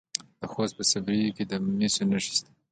د خوست په صبریو کې د مسو نښې شته.